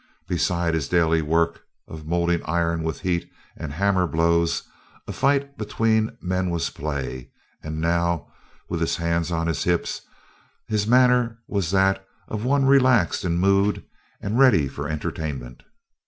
Beside his daily work of molding iron with heat and hammer blows, a fight between men was play; and now, with his hands on his hips, his manner was that of one relaxed in mood and ready for entertainment.